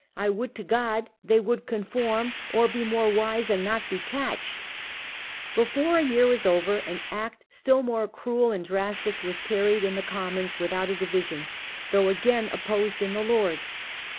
I would to God they would conform, or be more wise and not be catched. 1 Before a year was over an Act still more cruel and drastic was carried in the Commons without a division, 126 Persecution of Protestant Dissent 1665. though again opposed in the Lords.